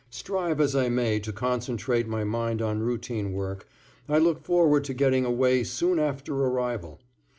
Strive as I may to concentrate my mind on routine work I look forward to getting away soon after arrival.